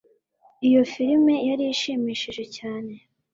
iyo firime yari ishimishije cyane